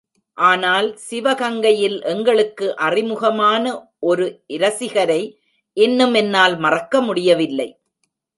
ஆனால் சிவகங்கையில் எங்களுக்கு அறிமுகமான ஒரு இரசிகரை இன்னும் என்னால் மறக்க முடிய வில்லை.